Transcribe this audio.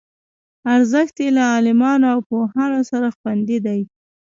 ارزښت یې له عالمانو او پوهانو سره خوندي دی.